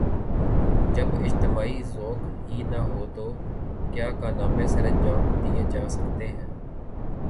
جب اجتماعی ذوق ہی نہ ہو تو کیا کارنامے سرانجام دئیے جا سکتے ہیں۔